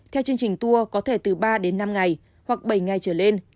theo chương trình tour có thể từ ba đến năm ngày hoặc bảy ngày trở lên